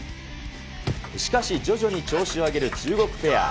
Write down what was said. しかし、徐々に調子を上げる中国ペア。